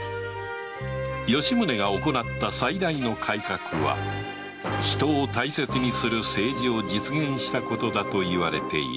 吉宗が行った最大の改革は人を大切にする政治を実現したことだといわれている